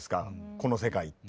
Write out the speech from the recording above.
この世界って。